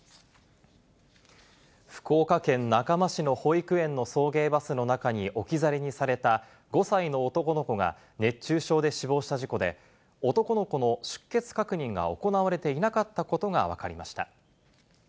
福岡県中間市の保育園の送迎バスの中に置き去りにされた５歳の男の子が、熱中症で死亡した事故で、男の子の出欠確認が行われていなかったことが分かりました。